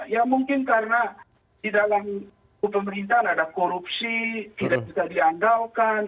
ya mungkin karena di dalam pemerintahan ada korupsi tidak bisa diandalkan